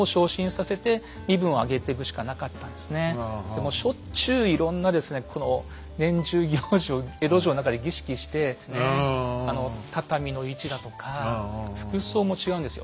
でもしょっちゅういろんなですねこの年中行事を江戸城の中で儀式して畳の位置だとか服装も違うんですよ。